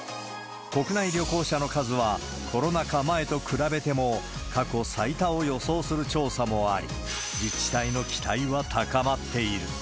国内旅行者の数はコロナ禍前と比べても過去最多を予想する調査もあり、自治体の期待は高まっている。